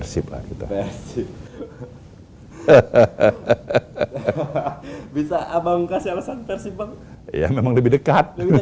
sampai jumpa di video selanjutnya